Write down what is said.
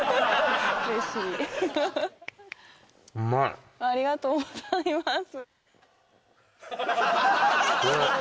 うまいありがとうございます